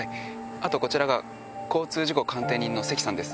あとこちらが交通事故鑑定人の関さんです。